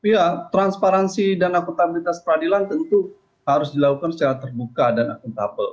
ya transparansi dan akuntabilitas peradilan tentu harus dilakukan secara terbuka dan akuntabel